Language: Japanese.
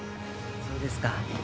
そうですか。